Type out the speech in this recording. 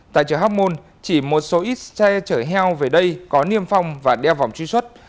tại chợ hóc môn chỉ một số ít xe chở heo về đây có niêm phong và đeo vòng truy xuất